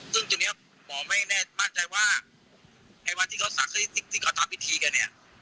ซึ่งจุดนี้หมอไม่แน่บ้านใจว่าในวันที่เขาสักที่เขาทำวิธีกันเนี่ย